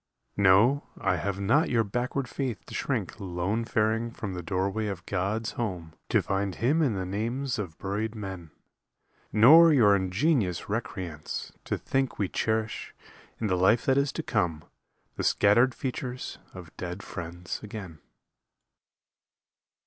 No, I have not your backward faith to shrink Lone faring from the doorway of God's home To find Him in the names of buried men; Nor your ingenious recreance to think We cherish, in the life that is to come, The scattered features of dead friends again.